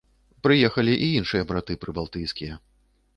Прыехалі і іншыя браты прыбалтыйскія.